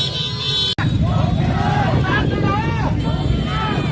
สุดท้ายสุดท้ายสุดท้ายสุดท้าย